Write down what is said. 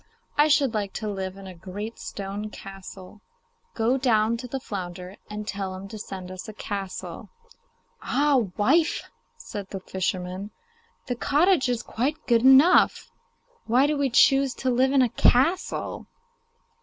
I should like to live in a great stone castle. Go down to the flounder, and tell him to send us a castle.' 'Ah, wife!' said the fisherman, 'the cottage is quite good enough; why do we choose to live in a castle?